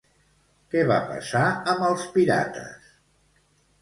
Què va passar amb els pirates?